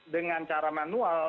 dengan cara manual